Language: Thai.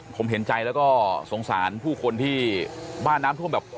ผมเห็นใจแล้วก็สงสารผู้คนที่บ้านน้ำท่วมแบบ